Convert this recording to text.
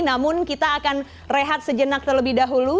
namun kita akan rehat sejenak terlebih dahulu